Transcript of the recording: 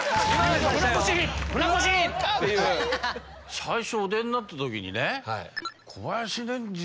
最初お出になった時にね。